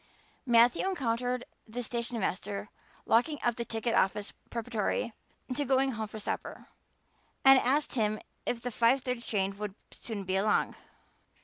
Matthew encountered the stationmaster locking up the ticket office preparatory to going home for supper, and asked him if the five thirty train would soon be along.